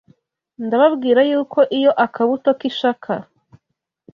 ndababwira yuko iyo akabuto k’ishaka